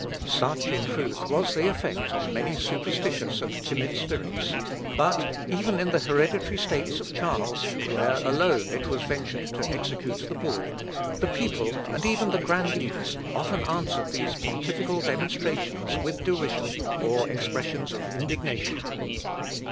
Such, in truth, was the effect on many superstitious and timid spirits; but even in the hereditary states of Charles, where alone it was ventured to execute the bull, the people, and even the grandees, often answered these pontifical demonstrations with derision, or expressions of indignation.